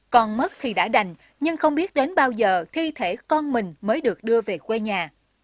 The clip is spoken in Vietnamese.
còn mất khi đã đành nhưng không biết đến bao giờ thi thể con mình mới được đưa về quê nhà